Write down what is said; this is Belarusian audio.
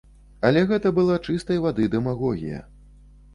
Але гэта была чыстай вады дэмагогія.